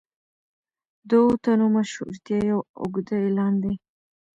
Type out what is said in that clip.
د اوو تنو مشهورتیا یو اوږده اعلان دی.